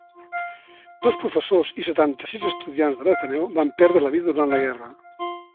Dos professors i setanta-sis estudiants de l'Ateneu van perdre la vida durant la guerra.